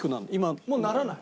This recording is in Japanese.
もうならない。